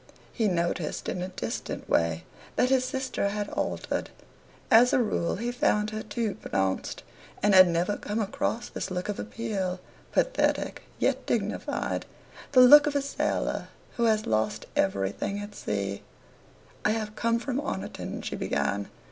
He noticed, in a distant way, that his sister had altered. As a rule he found her too pronounced, and had never come across this look of appeal, pathetic yet dignified the look of a sailor who has lost everything at sea. "I have come from Oniton," she began.